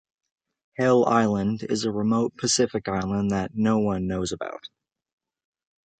Hell Island is a remote Pacific Island that no one knows about.